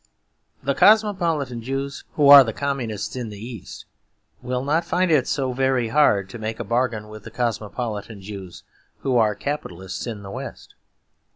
The cosmopolitan Jews who are the Communists in the East will not find it so very hard to make a bargain with the cosmopolitan Jews who are Capitalists in the West.